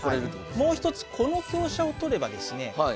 もう一つこの香車を取ればですね